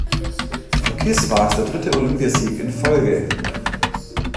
Für Kiss war es der dritte Olympiasieg in Folge.